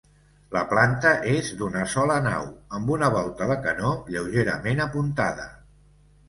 La planta és d'una sola nau, amb una volta de canó lleugerament apuntada.